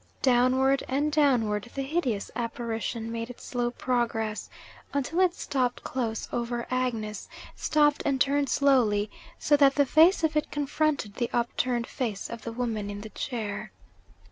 Downward and downward the hideous apparition made its slow progress, until it stopped close over Agnes stopped, and turned slowly, so that the face of it confronted the upturned face of the woman in the chair.